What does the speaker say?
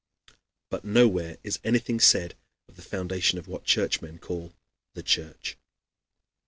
But nowhere is anything said of the foundation of what Churchmen call the Church.